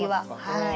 はい。